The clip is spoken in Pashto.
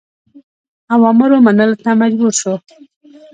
اوامرو منلو ته مجبور شو.